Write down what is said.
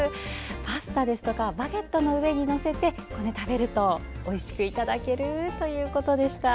パスタですとかバゲットの上に載せて食べるとおいしくいただけるということでした。